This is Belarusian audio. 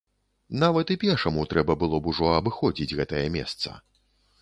Нават і пешаму трэба было б ужо абыходзіць гэтае месца.